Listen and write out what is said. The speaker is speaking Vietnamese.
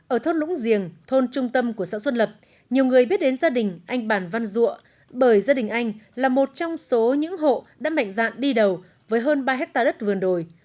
ở thôn lũng giềng thôn trung tâm của xã xuân lập nhiều người biết đến gia đình anh bản văn dụa bởi gia đình anh là một trong số những hộ đã mạnh dạn đi đầu với hơn ba hectare đất vườn đồi